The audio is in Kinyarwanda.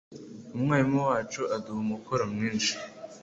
Umwarimu wacu aduha umukoro mwinshi.